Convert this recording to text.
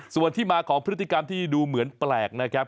ส่วนที่มาของพฤติกรรมที่ดูเหมือนแปลกนะครับ